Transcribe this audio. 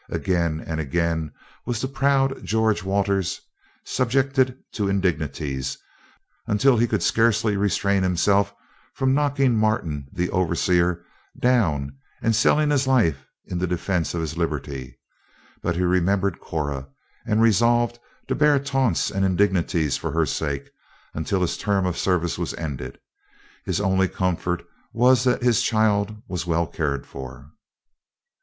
Again and again was the proud George Waters subjected to indignities, until he could scarcely restrain himself from knocking Martin, his overseer, down, and selling his life in the defence of his liberty; but he remembered Cora, and resolved to bear taunts and indignities for her sake, until his term of service was ended. His only comfort was that his child was well cared for.